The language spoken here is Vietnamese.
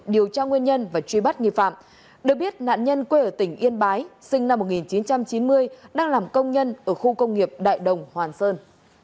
điều tra nguyên nhân và truy bắt nghi phạm được biết nạn nhân quê ở tỉnh yên bái sinh năm một nghìn chín trăm chín mươi đang làm công nhân ở khu công nghiệp đại đồng hoàn sơn